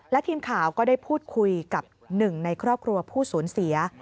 และทีมข่าวก็ได้พูดคุยกับหนึ่งในครอบครัวผู้สูญเสีย